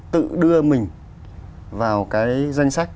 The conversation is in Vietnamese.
tự đưa mình vào cái danh sách